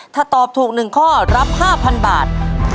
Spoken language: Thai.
ถ้าตอบถูกหนึ่งข้อรับห้าพันบาท